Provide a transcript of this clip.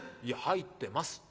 『いや入ってます。